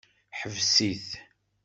Ḥbes-it!